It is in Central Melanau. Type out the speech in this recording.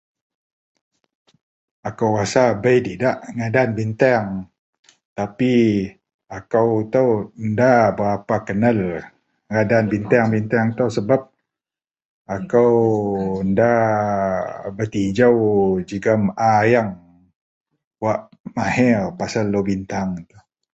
Akou rasa bei didak a ngadan biteang tapi akou itou nda berapa kenal ngadan biteang-biteang itou sebab akou nda petijou jegem ayeang wak mahir pasel wak biteang.